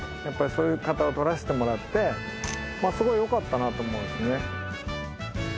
やっぱりそういう方を撮らせてもらってすごいよかったなと思うんですよね。